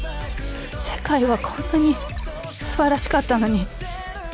世界はこんなにすばらしかったのに。